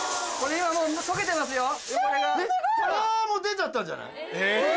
もう出ちゃったんじゃない。